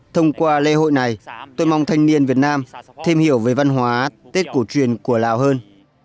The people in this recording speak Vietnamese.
thông qua lễ hội này tôi mong thanh niên việt nam thêm hiểu về văn hóa tết cổ truyền của lào hơn